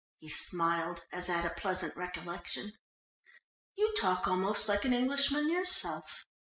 He smiled as at a pleasant recollection. "You talk almost like an Englishman yourself."